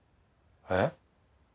えっ？